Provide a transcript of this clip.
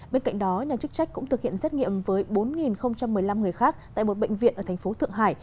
bên cạnh đó nhà chức trách cũng thực hiện xét nghiệm với bốn một mươi năm người khác tại một bệnh viện ở thành phố thượng hải